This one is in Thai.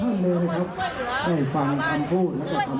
มันยิ้มแย้มแย้มใสวันนั้นเบอร์บานทุกท่านเลยครับ